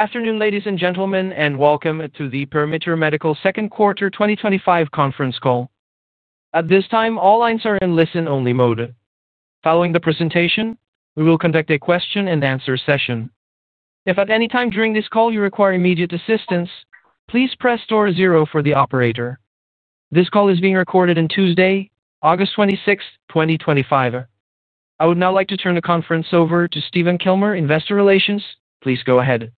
Afternoon, ladies and gentlemen, and welcome to the Perimeter Medical Second Quarter 2025 Conference Call. At this time, all lines are in listen-only mode. Following the presentation, we will conduct a question-and-answer session. If at any time during this call you require immediate assistance, please press star zeron for the operator. This call is being recorded on Tuesday, August 26, 2025. I would now like to turn the conference over to Stephen Kilmer, Investor Relations. Please go ahead.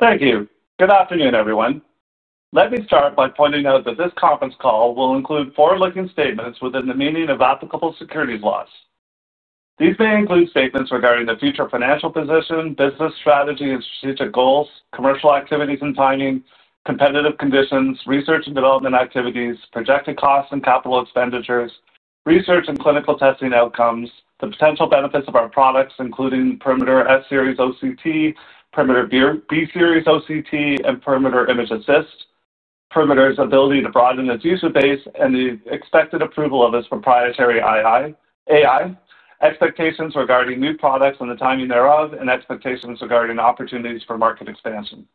Thank you. Good afternoon, everyone. Let me start by pointing out that this conference call will include forward-looking statements within the meaning of applicable securities laws. These may include statements regarding the future financial position, business strategy and strategic goals, commercial activities and timing, competitive conditions, research and development activities, projected costs and capital expenditures, research and clinical testing outcomes, the potential benefits of our products, including Perimeter S-Series OCT, Perimeter B-Series OCT, and Perimeter ImgAssist, Perimeter's ability to broaden its user base, and the expected approval of its proprietary AI, expectations regarding new products and the timing thereof, and expectations regarding opportunities for market expansion.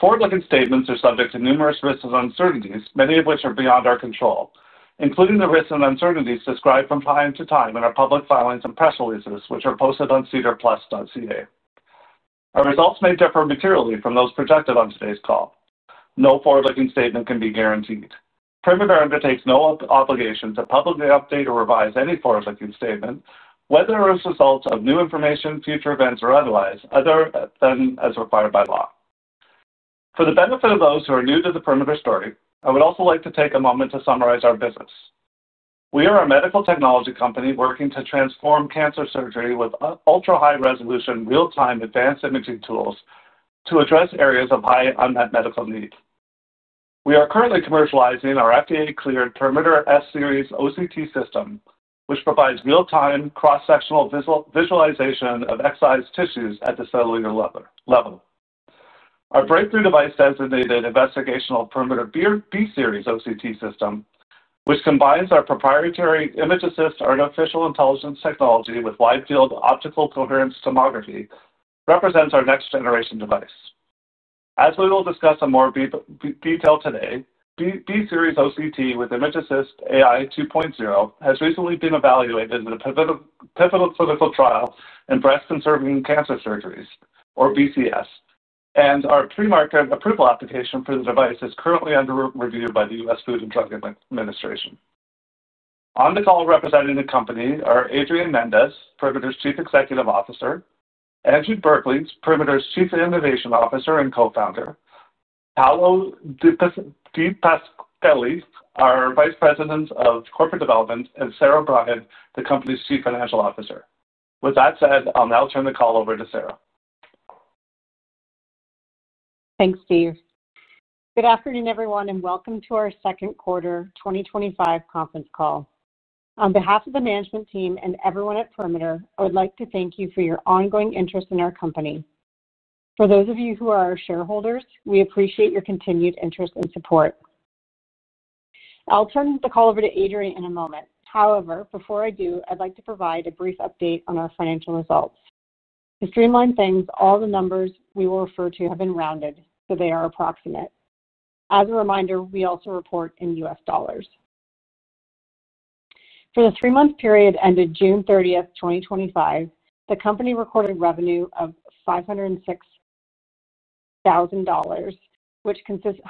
Forward-looking statements are subject to numerous risks and uncertainties, many of which are beyond our control, including the risks and uncertainties described from time to time in our public filings and press releases, which are posted on cedarplus.ca. Our results may differ materially from those projected on today's call. No forward-looking statement can be guaranteed. Perimeter undertakes no obligation to publicly update or revise any forward-looking statement, whether as a result of new information, future events, or otherwise, other than as required by law. For the benefit of those who are new to the Perimeter story, I would also like to take a moment to summarize our business. We are a medical technology company working to transform cancer surgery with ultra-high-resolution, real-time advanced imaging tools to address areas of high unmet medical need. We are currently commercializing our FDA-cleared Perimeter S-Series OCT system, which provides real-time, cross-sectional visualization of excised tissues at the cellular level. Our breakthrough device designated investigational Perimeter B-Series OCT system, which combines our proprietary ImgAssist artificial intelligence technology with wide-field optical coherence tomography, represents our next-generation device. As we will discuss in more detail today, B-Series OCT with ImgAssist AI 2.0 has recently been evaluated in a pivotal clinical trial in breast-conserving surgeries, or BCS, and our pre-market approval application for the device is currently under review by the U.S. Food and Drug Administration. On the call representing the company are Adrian Mendes, Perimeter's Chief Executive Officer; Andrew Berkeley, Perimeter's Chief Innovation Officer and Co-Founder; Paolo DiPasquale, our Vice President of Corporate Development; and Sara Brien, the company's Chief Financial Officer. With that said, I'll now turn the call over to Sara. Thanks, Steve. Good afternoon, everyone, and welcome to our Second Quarter 2025 Conference Call. On behalf of the management team and everyone at Perimeter, I would like to thank you for your ongoing interest in our company. For those of you who are our shareholders, we appreciate your continued interest and support. I'll turn the call over to Adrian in a moment. However, before I do, I'd like to provide a brief update on our financial results. To streamline things, all the numbers we will refer to have been rounded, so they are approximate. As a reminder, we also report in U.S. dollars. For the three-month period ended June 30, 2025, the company recorded revenue of $506,000, which consisted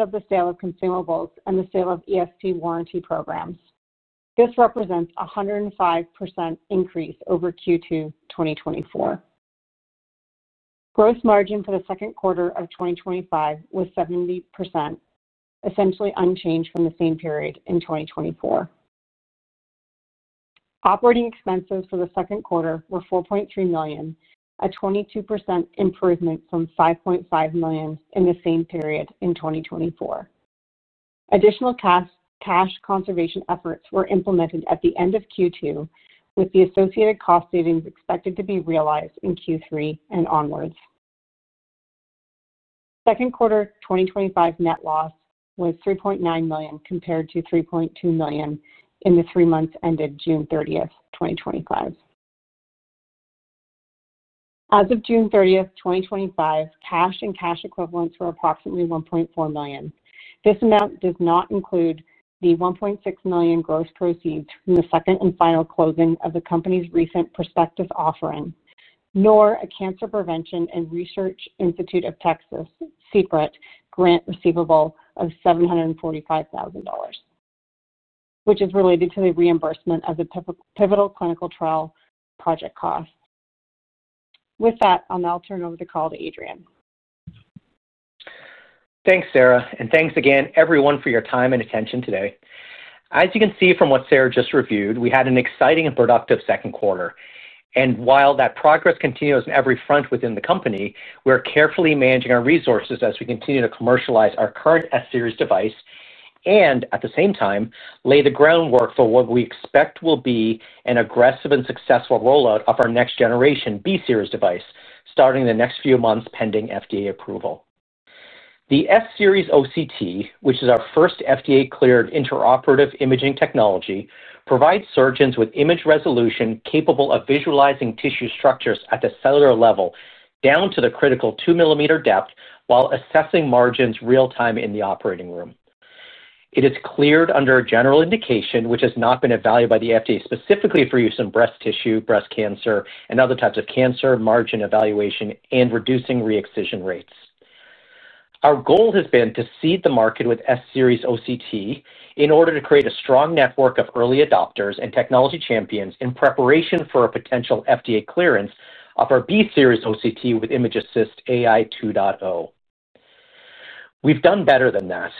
of the sale of consumables and the sale of ESG warranty programs. This represents a 105% increase over Q2 2024. Gross margin for the second quarter of 2025 was 70%, essentially unchanged from the same period in 2024. Operating expenses for the second quarter were $4.3 million, a 22% improvement from $5.5 million in the same period in 2024. Additional cash conservation efforts were implemented at the end of Q2, with the associated cost savings expected to be realized in Q3 and onwards. Second quarter 2025 net loss was $3.9 million compared to $3.2 million in the three months ended June 30, 2024. As of June 30, 2025, cash and cash equivalents were approximately $1.4 million. This amount does not include the $1.6 million gross proceeds from the second and final closing of the company's recent prospective offering, nor a Cancer Prevention and Research Institute of Texas (CPRIT) grant receivable of $745,000, which is related to the reimbursement of the pivotal clinical trial project costs. With that, I'll now turn over the call to Adrian. Thanks, Sara, and thanks again, everyone, for your time and attention today. As you can see from what Sara just reviewed, we had an exciting and productive second quarter. While that progress continues on every front within the company, we're carefully managing our resources as we continue to commercialize our current S-Series device and, at the same time, lay the groundwork for what we expect will be an aggressive and successful rollout of our next-generation B-Series device, starting in the next few months pending FDA approval. The S-Series OCT, which is our first FDA-cleared intraoperative imaging technology, provides surgeons with image resolution capable of visualizing tissue structures at the cellular level down to the critical 2 mm depth while assessing margins real-time in the operating room. It is cleared under a general indication, which has not been evaluated by the FDA specifically for use in breast tissue, breast cancer, and other types of cancer margin evaluation and reducing re-excision rates. Our goal has been to seed the market with S-Series OCT in order to create a strong network of early adopters and technology champions in preparation for a potential FDA clearance of our B-Series OCT with ImgAssist AI 2.0. We've done better than that.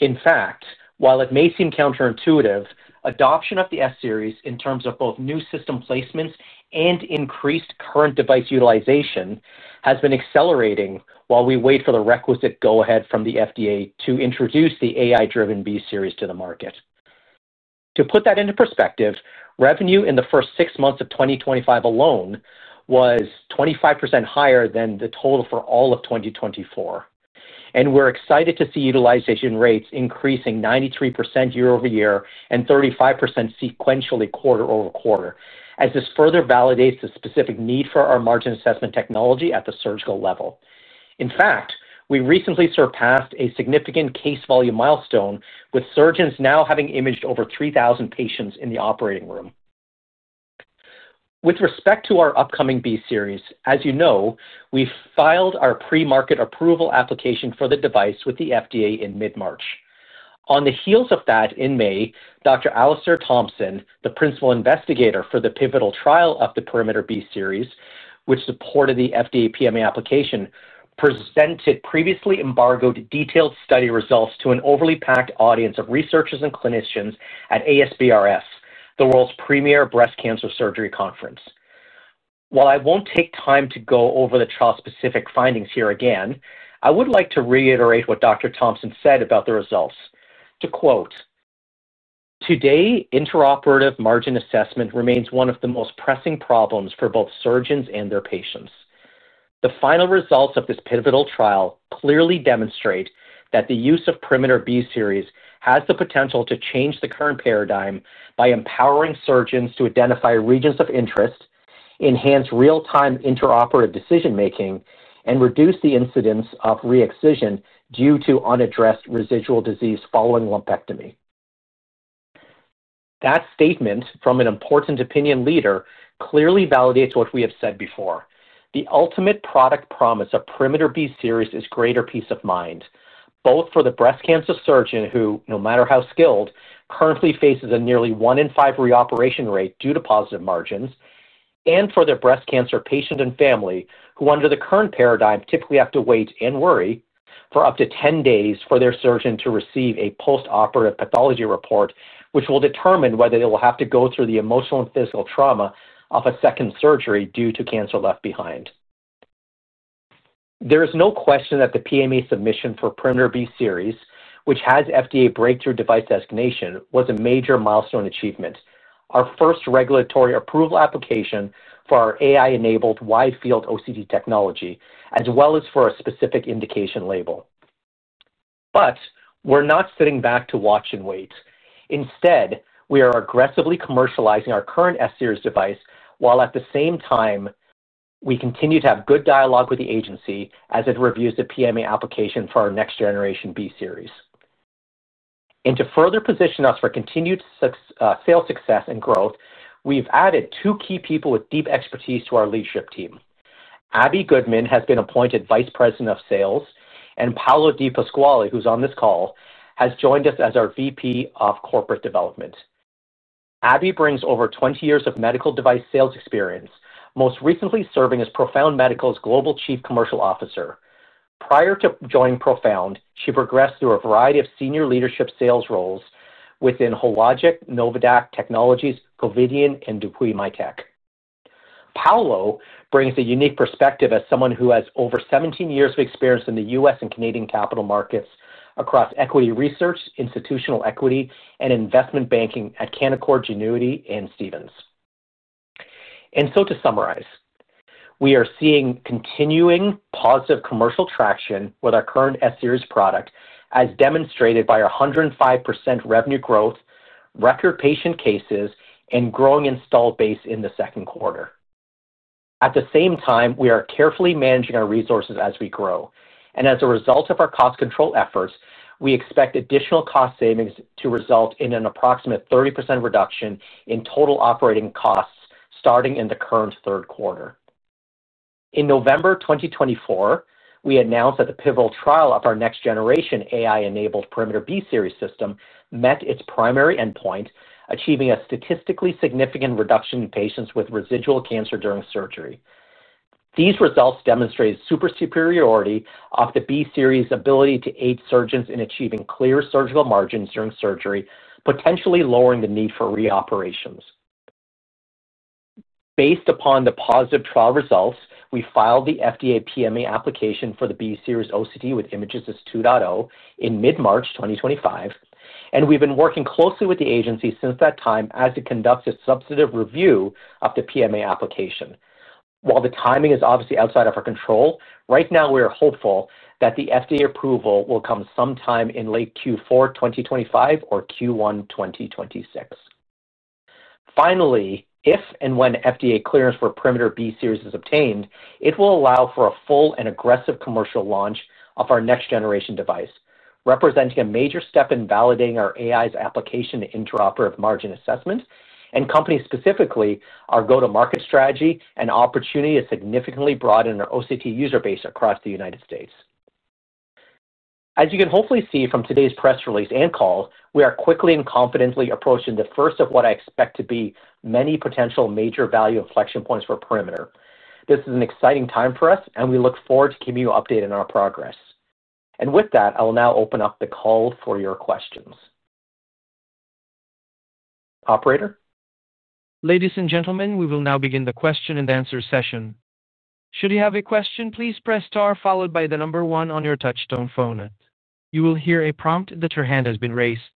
In fact, while it may seem counterintuitive, adoption of the S-Series in terms of both new system placements and increased current device utilization has been accelerating while we wait for the requisite go-ahead from the FDA to introduce the AI-driven B-Series to the market. To put that into perspective, revenue in the first six months of 2025 alone was 25% higher than the total for all of 2024. We're excited to see utilization rates increasing 93% year-over-year and 35% sequentially quarter-over-quarter, as this further validates the specific need for our margin assessment technology at the surgical level. In fact, we recently surpassed a significant case volume milestone, with surgeons now having imaged over 3,000 patients in the operating room. With respect to our upcoming B-Series, as you know, we filed our pre-market approval application for the device with the FDA in mid-March. On the heels of that, in May, Dr. Dr. Alastair Thompson, the principal investigator for the pivotal trial of the Perimeter B-Series, which supported the FDA PMA application, presented previously embargoed detailed study results to an overly packed audience of researchers and clinicians at the ASBrS, the world's premier breast cancer surgery conference. While I won't take time to go over the trial-specific findings here again, I would like to reiterate what Dr. Thompson said about the results. To quote, "Today, intraoperative margin assessment remains one of the most pressing problems for both surgeons and their patients. The final results of this pivotal trial clearly demonstrate that the use of Perimeter B-Series has the potential to change the current paradigm by empowering surgeons to identify regions of interest, enhance real-time intraoperative decision-making, and reduce the incidence of re-excision due to unaddressed residual cancer following lumpectomy." That statement from an important opinion leader clearly validates what we have said before. The ultimate product promise of Perimeter B-Series is greater peace of mind, both for the breast cancer surgeon who, no matter how skilled, currently faces a nearly one in five re-operation rate due to positive margins, and for the breast cancer patient and family who, under the current paradigm, typically have to wait and worry for up to 10 days for their surgeon to receive a postoperative pathology report, which will determine whether they will have to go through the emotional and physical trauma of a second surgery due to cancer left behind. There is no question that the PMA submission for Perimeter B-Series, which has FDA Breakthrough Device Designation, was a major milestone achievement, our first regulatory approval application for our AI-enabled wide-field OCT technology, as well as for a specific indication label. We are not sitting back to watch and wait. Instead, we are aggressively commercializing our current Perimeter S-Series device while, at the same time, we continue to have good dialogue with the agency as it reviews the PMA application for our next-generation Perimeter B-Series. To further position us for continued sales success and growth, we've added two key people with deep expertise to our leadership team. Abbey Goodman has been appointed Vice President of Sales, and Paolo DiPasquale, who's on this call, has joined us as our Vice President of Corporate Development. Abbey brings over 20 years of medical device sales experience, most recently serving as Profound Medical's Global Chief Commercial Officer. Prior to joining Profound, she progressed through a variety of senior leadership sales roles within Hologic, Novadaq Technologies, Covidien, and DePuy Mitek. Paolo brings a unique perspective as someone who has over 17 years of experience in the U.S. and Canadian capital markets across equity research, institutional equity, and investment banking at Canaccord, Genuity, and Stephens. To summarize, we are seeing continuing positive commercial traction with our current S-Series product, as demonstrated by our 105% revenue growth, record patient cases, and growing install base in the second quarter. At the same time, we are carefully managing our resources as we grow. As a result of our cost control efforts, we expect additional cost savings to result in an approximate 30% reduction in total operating costs starting in the current third quarter. In November 2024, we announced that the pivotal trial of our next-generation AI-enabled Perimeter B-Series system met its primary endpoint, achieving a statistically significant reduction in patients with residual cancer during surgery. These results demonstrate superiority of the B-Series' ability to aid surgeons in achieving clear surgical margins during surgery, potentially lowering the need for reoperations. Based upon the positive trial results, we filed the FDA PMA application for the B-Series OCT with ImgAssist 2.0 in mid-March 2025, and we've been working closely with the agency since that time as it conducts a substantive review of the PMA application. While the timing is obviously outside of our control, right now we are hopeful that the FDA approval will come sometime in late Q4 2025 or Q1 2026. Finally, if and when FDA clearance for Perimeter B-Series is obtained, it will allow for a full and aggressive commercial launch of our next-generation device, representing a major step in validating our AI's application to intraoperative margin assessment and, company specifically, our go-to-market strategy and opportunity to significantly broaden our OCT user base across the United States. As you can hopefully see from today's press release and call, we are quickly and confidently approaching the first of what I expect to be many potential major value inflection points for Perimeter. This is an exciting time for us, and we look forward to keeping you updated on our progress. With that, I will now open up the call for your questions. Operator? Ladies and gentlemen, we will now begin the question-and-answer session. Should you have a question, please press star followed by the number one on your touch-tone phone. You will hear a prompt that your hand has been raised.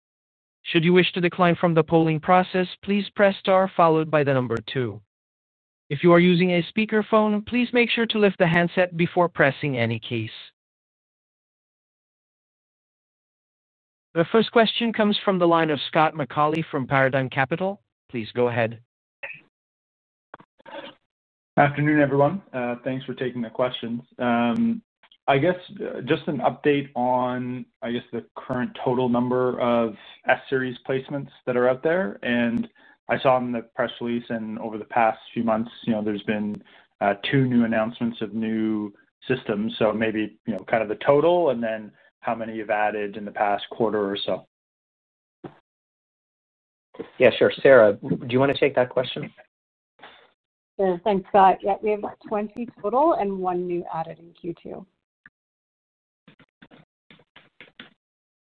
Should you wish to decline from the polling process, please press star followed by the number two. If you are using a speaker phone, please make sure to lift the handset before pressing any keys. The first question comes from the line of Scott McAuley from Paradigm Capital. Please go ahead. Afternoon, everyone. Thanks for taking the questions. I guess just an update on the current total number of S-Series placements that are out there. I saw in the press release and over the past few months, there's been two new announcements of new systems. Maybe the total and then how many you've added in the past quarter or so. Yeah, sure. Sara, do you want to take that question? Yeah, thanks, Scott. We have 20 total and one new added in Q2.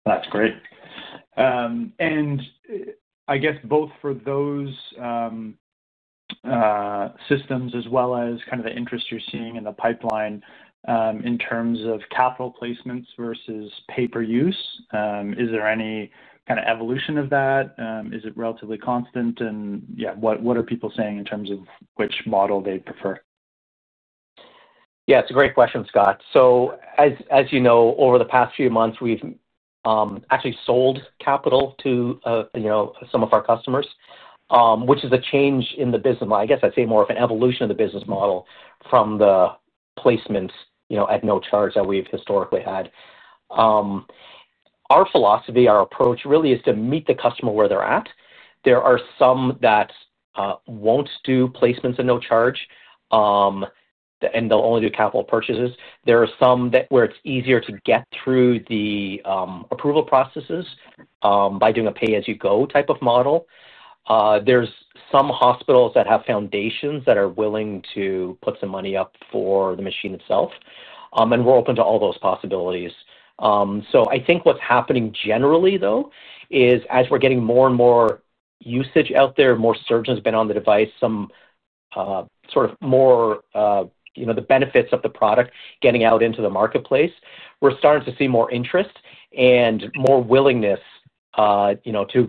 That's great. I guess both for those systems as well as the interest you're seeing in the pipeline in terms of capital placements versus pay-per-use, is there any kind of evolution of that? Is it relatively constant? What are people saying in terms of which model they'd prefer? Yeah, it's a great question, Scott. As you know, over the past few months, we've actually sold capital to some of our customers, which is a change in the business model. I'd say more of an evolution in the business model from the placements at no charge that we've historically had. Our philosophy, our approach really is to meet the customer where they're at. There are some that won't do placements at no charge, and they'll only do capital purchases. There are some where it's easier to get through the approval processes by doing a pay-as-you-go type of model. There are some hospitals that have foundations that are willing to put some money up for the machine itself, and we're open to all those possibilities. I think what's happening generally, though, is as we're getting more and more usage out there, more surgeons have been on the device, the benefits of the product are getting out into the marketplace, and we're starting to see more interest and more willingness to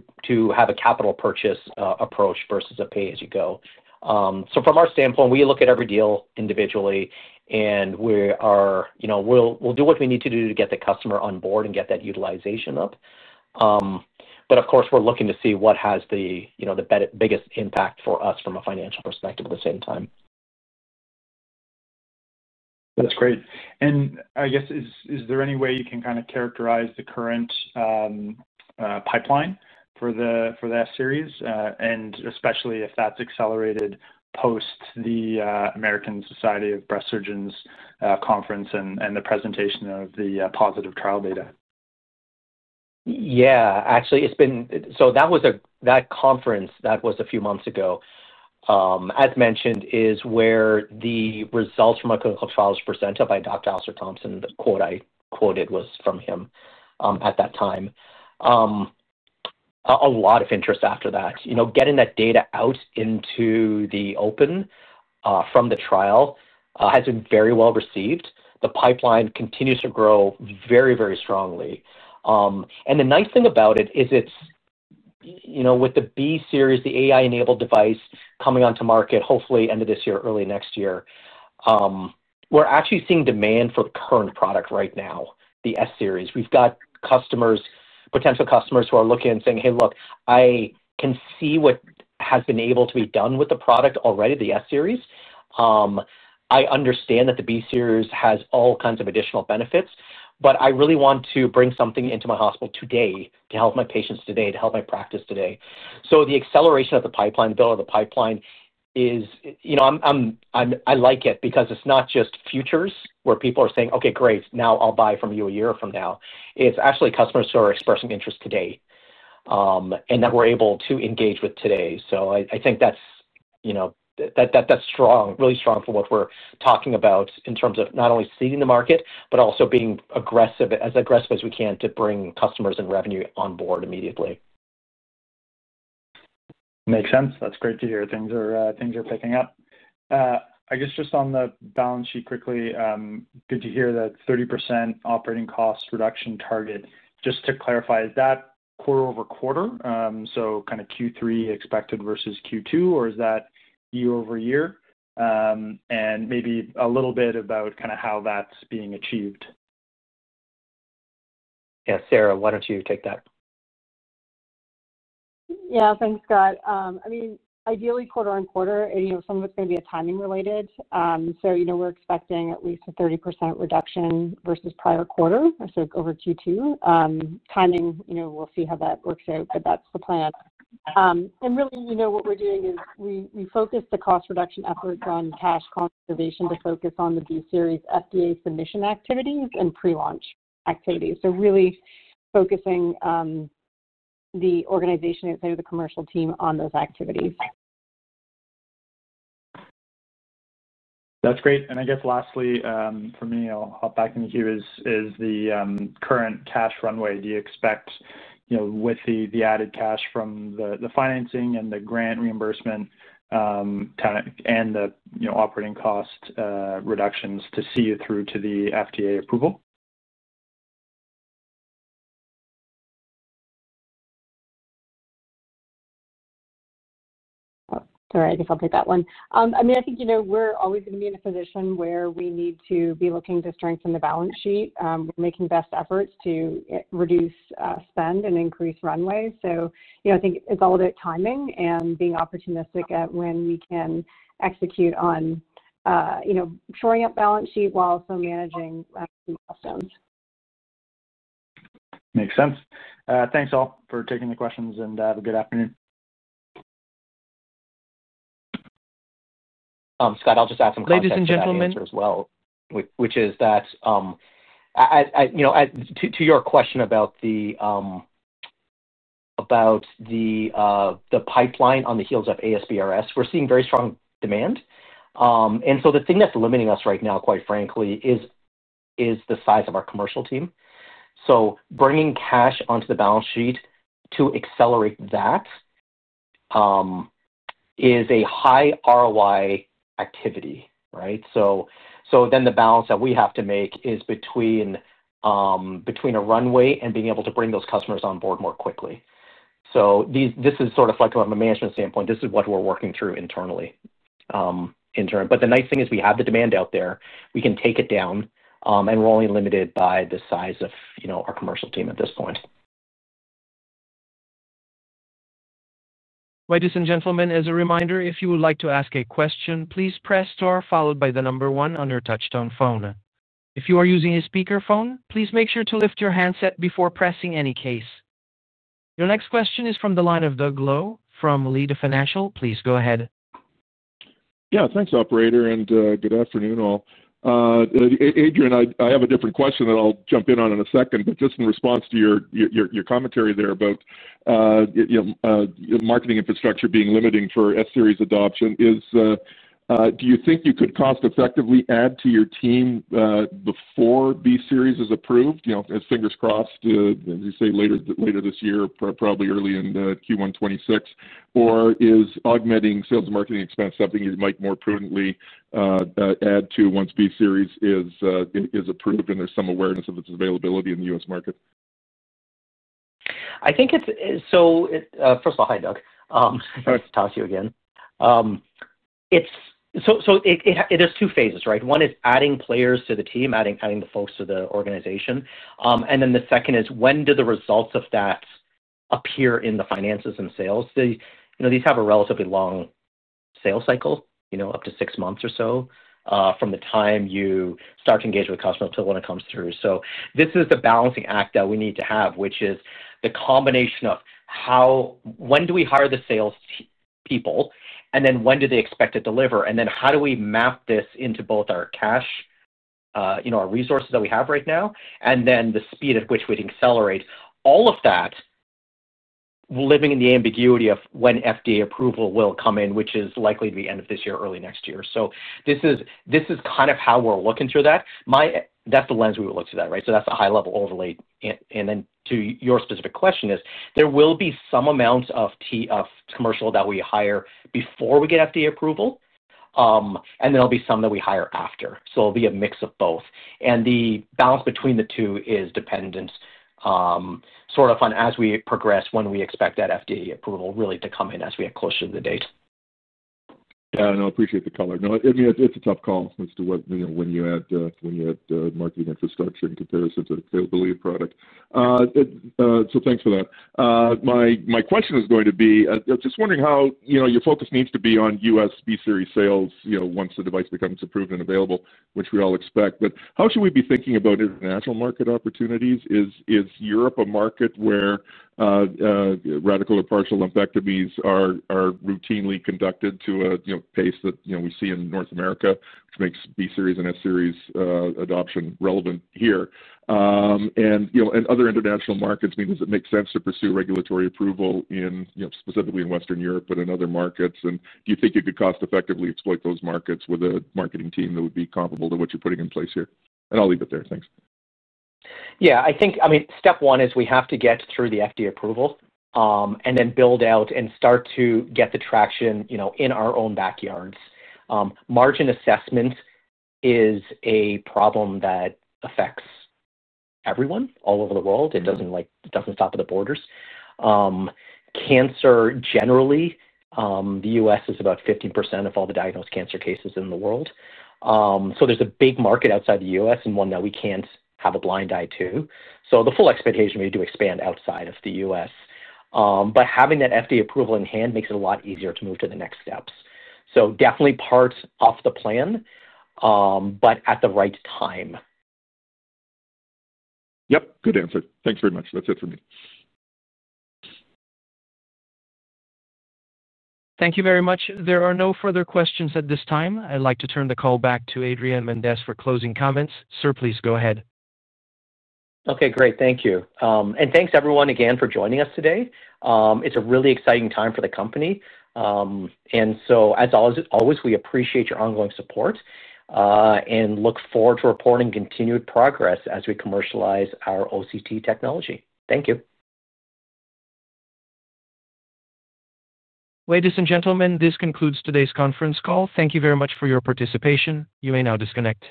have a capital purchase approach versus a pay-as-you-go. From our standpoint, we look at every deal individually, and we will do what we need to do to get the customer on board and get that utilization up. Of course, we're looking to see what has the biggest impact for us from a financial perspective at the same time. That's great. Is there any way you can kind of characterize the current pipeline for the S-Series, especially if that's accelerated post the American Society of Breast Surgeons Conference and the presentation of the positive trial data? Yeah, actually, it's been, so that was a, that conference that was a few months ago, as mentioned, is where the results from our clinical trial were presented by Dr. Alastair Thompson. The quote I quoted was from him at that time. A lot of interest after that. You know, getting that data out into the open from the trial has been very well received. The pipeline continues to grow very, very strongly. The nice thing about it is it's, you know, with the B-Series, the AI-enabled device coming onto market, hopefully end of this year, early next year, we're actually seeing demand for the current product right now, the S-Series. We've got customers, potential customers who are looking and saying, "Hey, look, I can see what has been able to be done with the product already, the S-Series. I understand that the B-Series has all kinds of additional benefits, but I really want to bring something into my hospital today to help my patients today, to help my practice today." The acceleration of the pipeline, the build of the pipeline is, you know, I like it because it's not just futures where people are saying, "Okay, great, now I'll buy from you a year from now." It's actually customers who are expressing interest today and that we're able to engage with today. I think that's, you know, that that's strong, really strong for what we're talking about in terms of not only seeding the market, but also being aggressive, as aggressive as we can, to bring customers and revenue on board immediately. Makes sense. That's great to hear. Things are picking up. I guess just on the balance sheet quickly, good to hear that 30% operating cost reduction target. Just to clarify, is that quarter-over-quarter? Is that kind of Q3 expected versus Q2, or is that year-over-year? Maybe a little bit about how that's being achieved. Yeah, Sara, why don't you take that? Yeah, thanks, Scott. I mean, ideally, quarter-on-quarter, some of it's going to be timing-related. We're expecting at least a 30% reduction versus prior quarter, so over Q2. Timing, we'll see how that works out, but that's the plan. What we're doing is we focus the cost reduction efforts on cash conservation to focus on the B-Series FDA submission activities and pre-launch activities, really focusing the organization and the commercial team on those activities. That's great. I guess lastly, for me, I'll back into you, is the current cash runway. Do you expect, with the added cash from the financing and the grant reimbursement and the operating cost reductions, to see you through to the FDA approval? All right, I guess I'll take that one. I think we're always going to be in a position where we need to be looking to strengthen the balance sheet. We're making best efforts to reduce spend and increase runway. I think it's all about timing and being opportunistic at when we can execute on shoring up balance sheet while also managing milestones. Makes sense. Thanks all for taking the questions and have a good afternoon. Scott, I'll just add something to that question as well, which is that, you know, to your question about the pipeline on the heels of ASBrS, we're seeing very strong demand. The thing that's limiting us right now, quite frankly, is the size of our commercial team. Bringing cash onto the balance sheet to accelerate that is a high ROI activity, right? The balance that we have to make is between runway and being able to bring those customers on board more quickly. This is sort of like from a management standpoint, this is what we're working through internally. The nice thing is we have the demand out there. We can take it down, and we're only limited by the size of, you know, our commercial team at this point. Ladies and gentlemen, as a reminder, if you would like to ask a question, please press star followed by the number one on your touch-tone phone. If you are using a speaker phone, please make sure to lift your handset before pressing any keys. Your next question is from the line of Doug Loe from Leede Financial. Please go ahead. Yeah, thanks, operator, and good afternoon all. Adrian, I have a different question that I'll jump in on in a second, but just in response to your commentary there about, you know, marketing infrastructure being limiting for S-Series adoption, do you think you could cost-effectively add to your team before B-Series is approved? You know, fingers crossed, as you say, later this year, probably early in Q1 2026, or is augmenting sales and marketing expense something you might more prudently add to once B-Series is approved and there's some awareness of its availability in the U.S. market? Hi, Doug. It's Tasi again. It is two phases, right? One is adding players to the team, adding the folks to the organization. The second is when do the results of that appear in the finances and sales? These have a relatively long sales cycle, up to six months or so from the time you start to engage with customers until when it comes through. This is the balancing act that we need to have, which is the combination of how, when do we hire the salespeople, and then when do they expect to deliver, and then how do we map this into both our cash, our resources that we have right now, and the speed at which we can accelerate all of that, living in the ambiguity of when FDA approval will come in, which is likely the end of this year or early next year. This is kind of how we're looking through that. That's the lens we would look through that, right? That's the high-level overlay. To your specific question, there will be some amounts of commercial that we hire before we get FDA approval, and there'll be some that we hire after. It will be a mix of both. The balance between the two is dependent sort of on as we progress when we expect that FDA approval really to come in as we get closer to the date. Yeah, no, I appreciate the comment. It's a tough call as to when you add marketing infrastructure in comparison to the availability of product. Thanks for that. My question is going to be, I'm just wondering how your focus needs to be on U.S. B-Series sales once the device becomes approved and available, which we all expect. How should we be thinking about international market opportunities? Is Europe a market where radical or partial lumpectomies are routinely conducted to a pace that we see in North America? It makes B-Series and S-Series adoption relevant here. In other international markets, does it make sense to pursue regulatory approval specifically in Western Europe, but in other markets? Do you think you could cost-effectively exploit those markets with a marketing team that would be comparable to what you're putting in place here? I'll leave it there. Thanks. I think step one is we have to get through the FDA approval and then build out and start to get the traction in our own backyards. Margin assessment is a problem that affects everyone all over the world. It doesn't stop at the borders. Cancer, generally, the U.S. is about 15% of all the diagnosed cancer cases in the world. There's a big market outside the U.S. and one that we can't have a blind eye to. The full expectation would be to expand outside of the U.S. Having that FDA approval in hand makes it a lot easier to move to the next steps. Definitely part of the plan, but at the right time. Yep, good answer. Thanks very much. That's it for me. Thank you very much. There are no further questions at this time. I'd like to turn the call back to Adrian Mendes for closing comments. Sir, please go ahead. Okay, great. Thank you. Thanks, everyone, again for joining us today. It's a really exciting time for the company. As always, we appreciate your ongoing support and look forward to reporting continued progress as we commercialize our OCT technology. Thank you. Ladies and gentlemen, this concludes today's conference call. Thank you very much for your participation. You may now disconnect.